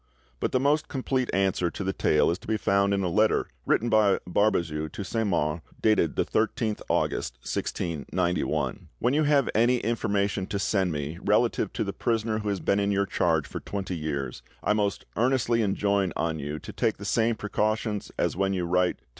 But the most complete answer to the tale is to be found in a letter written by Barbezieux to Saint Mars, dated the 13th August 1691:— "When you have any information to send me relative to the prisoner who has been in your charge for twenty years, I most earnestly enjoin on you to take the same precautions as when you write to M.